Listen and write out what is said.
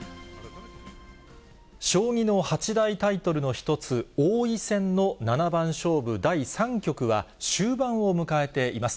将棋の八大タイトルの一つ、王位戦の七番勝負第３局は、終盤を迎えています。